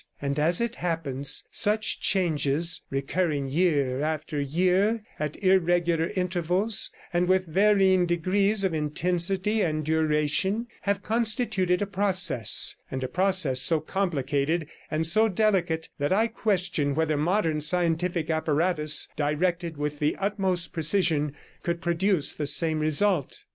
And, as it happens, such changes, recurring year after year at irregular intervals, and with varying degrees of intensity and duration, have constituted a process, and a process so complicated and so delicate, that I question whether modern scientific apparatus directed with the utmost precision could produce the same result.